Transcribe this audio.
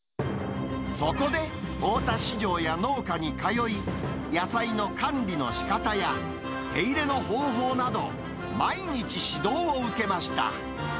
そこで、大田市場や農家に通い、野菜の管理のしかたや、手入れの方法など、毎日指導を受けました。